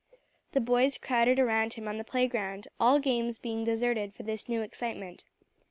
The boys crowded around him on the playground, all games being deserted for this new excitement.